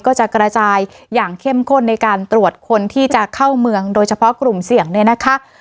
ก็จะกระจายอย่างเข้มข้นในการตรวจคนที่จะเข้าเมืองโดยเฉพาะกลุ่มเสี่ยงเนี่ยนะคะ